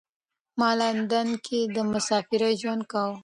ما لندن کې د مسافرۍ ژوند کاوه.